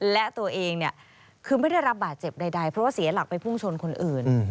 และตัวเองคือไม่ได้รับบาดเจ็บใดเพราะว่าเสียหลักไปพุ่งชนคนอื่น